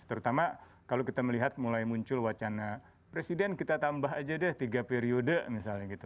terutama kalau kita melihat mulai muncul wacana presiden kita tambah aja deh tiga periode misalnya gitu